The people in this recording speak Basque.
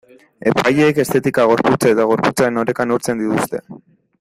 Epaileek estetika, gorputza eta gorputzaren oreka neurtzen dituzte.